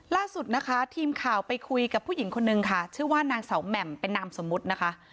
ล่าสุดนะคะทีมข่าวไปคุยกับผู้หญิงคนนึงค่ะชื่อว่านางสาวแหม่มเป็นนามสมมุตินะคะ